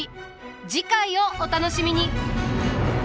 次回をお楽しみに。